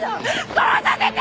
殺させて！！